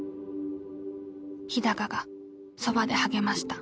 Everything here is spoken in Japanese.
日がそばで励ました。